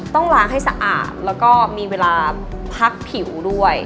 ต้องล้างให้สะอาดแล้วก็มีเวลาพักผิวด้วย